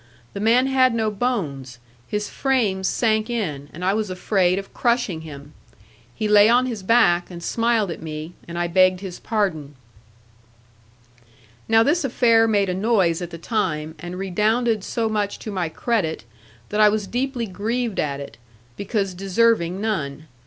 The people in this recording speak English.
The man had no bones; his frame sank in, and I was afraid of crushing him. He lay on his back, and smiled at me; and I begged his pardon. Now this affair made a noise at the time, and redounded so much to my credit, that I was deeply grieved at it, because deserving none.